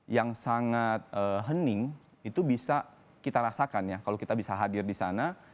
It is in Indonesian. yang sangat hening itu bisa kita rasakan ya kalau kita bisa hadir di sana